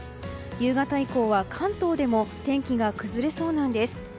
夕方以降は、関東でも天気が崩れそうなんです。